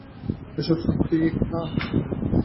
এসব সত্যি না!